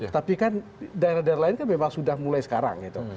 tapi kan daerah daerah lain kan memang sudah mulai sekarang gitu